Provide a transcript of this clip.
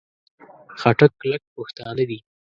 خټک کلک پښتانه دي.